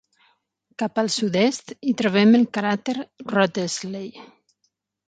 Cap al sud-est hi trobem el cràter Wrottesley.